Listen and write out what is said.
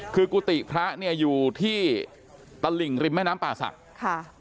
คือกุฏิพระเนี่ยอยู่ที่ตลิ่งริมแม่น้ำป่าศักดิ์ค่ะ